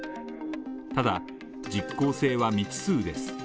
ただ、実効性は未知数です。